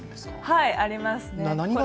はい、ありますね。